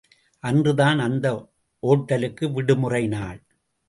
அன்றுதான் அந்த ஒட்டலுக்கு விடுமுறை நாள்.